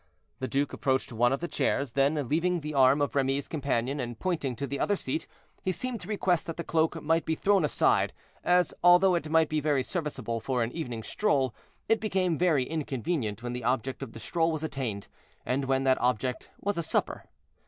The duke approached one of the chairs; then, leaving the arm of Remy's companion, and pointing to the other seat, he seemed to request that the cloak might be thrown aside, as, although it might be very serviceable for an evening stroll, it became very inconvenient when the object of the stroll was attained, and when that object was a supper.